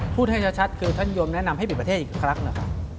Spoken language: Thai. พูดให้ชัดคือท่านยมแนะนำให้ปิดประเทศอีกครั้งนะครับ